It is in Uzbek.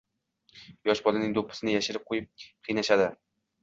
Yosh bolaning doʻppisini yashirib qoʻyib qiynashadi.